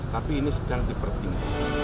tapi ini sedang dipertinggi